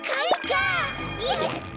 やった！